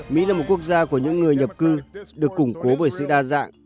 mỹ là một quốc gia của những người nhập cư được củng cố bởi sự đa dạng